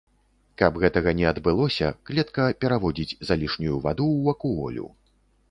Каб гэтага не адбылося, клетка пераводзіць залішнюю ваду ў вакуолю.